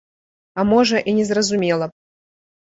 А можа, і не зразумела б?